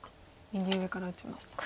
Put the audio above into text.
右上から打ちましたね。